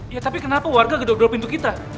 ya tapi kenapa warga gedok gedok pintu kita